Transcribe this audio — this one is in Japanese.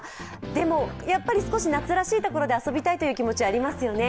でも、やっぱり少し夏らしいところで遊びたいという気持ち、ありますよね。